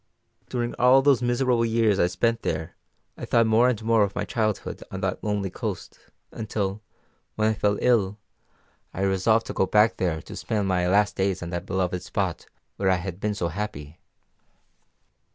During all the miserable years I spent there I thought more and more of my childhood on that lonely coast, until, when I fell ill, I resolved to go back there to spend my last days on that beloved spot where I had been so happy.